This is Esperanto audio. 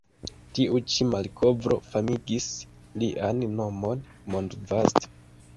Tiu ĉi malkovro famigis lian nomon mondvaste.